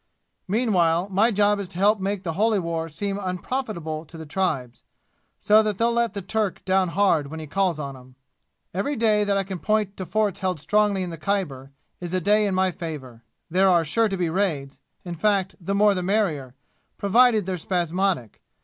Meanwhile my job is to help make the holy war seem unprofitable to the tribes, so that they'll let the Turk down hard when he calls on 'em. Every day that I can point to forts held strongly in the Khyber is a day in my favor. There are sure to be raids. In fact, the more the merrier, provided they're spasmodic.